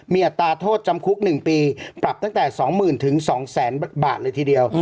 มีอัตราโทษจำคุก๑ปีปรับตั้งแต่๒๐๐๐๒๐๐๐บาทเลยทีเดียว